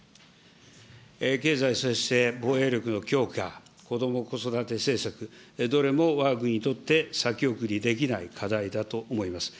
経済、防衛力の強化、こども・子育て政策、どれも、わが国にとって先送りできない課題だと思います。